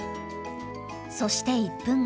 そして１分後。